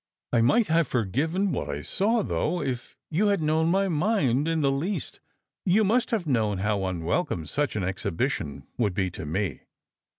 "I might have forgiven what I saw; though, if you had known my mind in the least, you must have known how un welcome euch an exhibition would be to me."